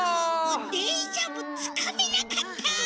でんしゃつかめなかった！